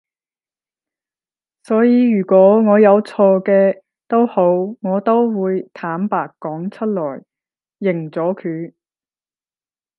所以如果我有錯嘅都好我都會坦白講出嚟，認咗佢